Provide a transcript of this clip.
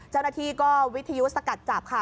เจ้าหน้าที่ก็วิทยุสกัดจับค่ะ